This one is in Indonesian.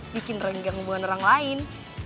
bikin renggang buah nerang lain